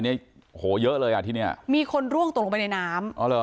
เนี้ยโหเยอะเลยอ่ะที่เนี้ยมีคนร่วงตกลงไปในน้ำอ๋อเหรอ